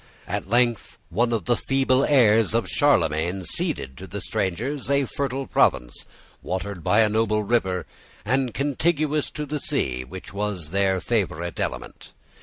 At length one of the feeble heirs of Charlemagne ceded to the strangers a fertile province, watered by a noble river, and contiguous to the sea which was their favourite element.